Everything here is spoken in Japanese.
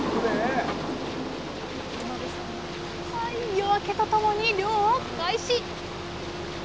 夜明けとともに漁を開始。